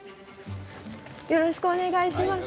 よろしくお願いします。